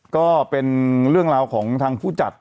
ก็เป็นเรื่องราวของทางผู้จัด